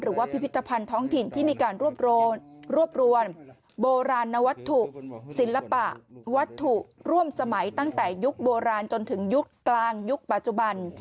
พิพิธภัณฑ์ท้องถิ่นที่มีการรวบรวมโบราณนวัตถุศิลปะวัตถุร่วมสมัยตั้งแต่ยุคโบราณจนถึงยุคกลางยุคปัจจุบัน